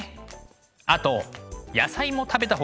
あと野菜も食べた方がいいですよ。